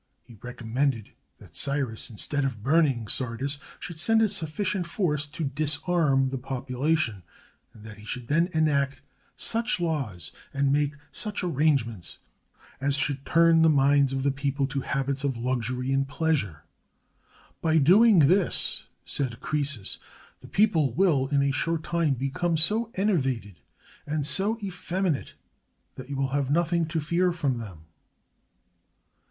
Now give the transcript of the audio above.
He recommended that Cyrus, instead of burning Sardis, should send a sufficient force to disarm the pop ulation, and that he should then enact such laws and make such arrangements as should turn the minds of the people to habits of luxury and pleasure. "By doing this," said Croesus, "the people will, in a short time, become so enervated and so effeminate that you will have nothing to fear from them."